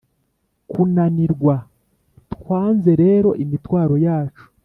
kunanirwa! twanze rero imitwaro yacu,